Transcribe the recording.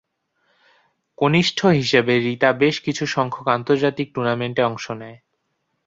কনিষ্ঠ হিসাবে রিতা বেশ কিছু সংখ্যক আন্তর্জাতিক টুর্নামেন্ট-এ অংশ নেয়।